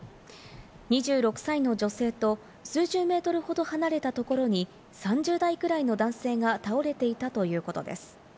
２６歳の女性と数十ｍほど離れたところに３０代くらいの男性が倒れていたということです。